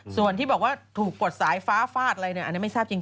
ส่วนที่บอกว่าถูกกดสายฟ้าฟาดอะไรเนี่ยอันนี้ไม่ทราบจริง